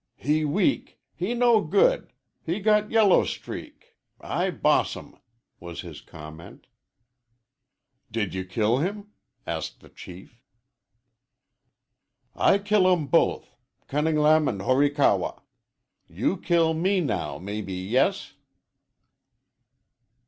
"He weak. He no good. He got yellow streak. I bossum," was his comment. "Did you kill him?" asked the Chief. "I killum both Cunnin'lam and Horikawa. You kill me now maybe yes."